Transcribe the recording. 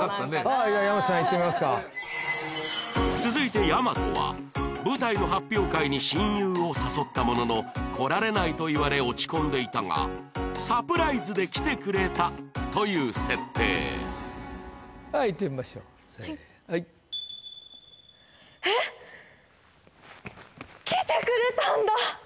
大和さんいってみますか続いて大和は舞台の発表会に親友を誘ったものの来られないと言われ落ち込んでいたがサプライズで来てくれたという設定いってみましょうはいえっ来てくれたんだ！